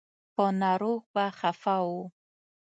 په ناروغ به خفه و.